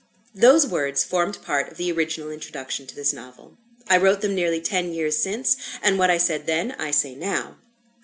Those words formed part of the original introduction to this novel. I wrote them nearly ten years since; and what I said then, I say now.